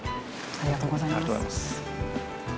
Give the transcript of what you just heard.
ありがとうございます。